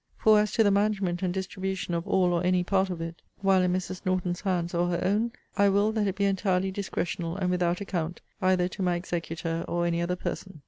For, as to the management and distribution of all or any part of it, while in Mrs. Norton's hands, or her own, I will that it be entirely discretional, and without account, either to my executor or any other person.